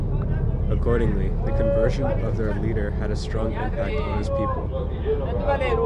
Accordingly, the conversion of their leader had a strong impact on his people.